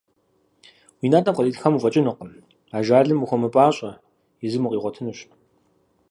Уи натӀэм къритхам уфӀэкӀынукъым, ажалым ухуэмыпӀащӀэ, езым укъигъуэтынущ.